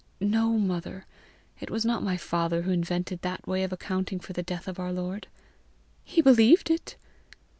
"No, mother. It was not my father who invented that way of accounting for the death of our Lord." "He believed it!"